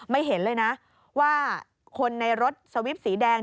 เห็นเลยนะว่าคนในรถสวิปสีแดง